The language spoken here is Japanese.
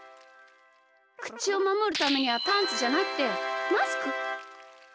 くちをまもるためにはパンツじゃなくてマスク！